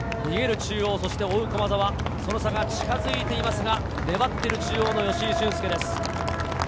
中央を追う駒澤、その差が近づいていますが粘ってる中央の吉居駿恭です。